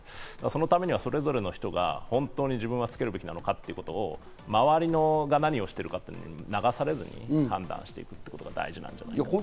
そのためにはそれぞれの人が本当に自分はつけるべきなのか、周りが何をしているかに流されずに判断していくことが大事なんじゃないかなと。